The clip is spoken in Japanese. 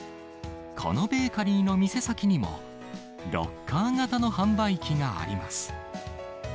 このベーカリーの店先にも、ロッカー型の販売機があります。